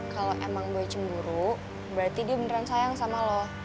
kalau emang gue cemburu berarti dia beneran sayang sama lo